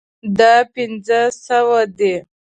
دا پنځه سوه دي